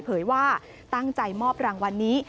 ว่าตั้งใจมอบรางวัลนี้